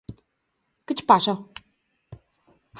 –¿Que che pasa, ho?